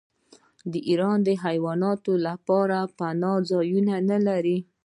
آیا ایران د حیواناتو لپاره پناه ځایونه نلري؟